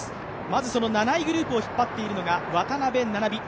まず７位グループを引っ張っているのが渡邊菜々美。